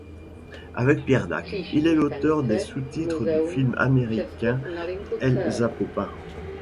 Avec Pierre Dac, il est l'auteur des sous-titres du film américain Hellzapoppin.